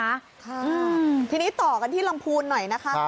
ค่ะทีนี้ต่อกันที่ลำพูนหน่อยนะคะ